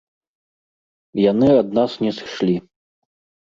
Яны ад нас не сышлі.